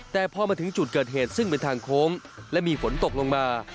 แต่พอมาถึงจุดเกิดเหตุซึ่งเป็นทางโค้งและมีฝนตกลงมา